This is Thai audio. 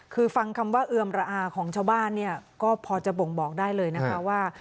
คือฟังคำว่าเอือมระอาของชาวบ้านเนี่ยก็พอจะบ่งบอกได้เลยนะคะว่า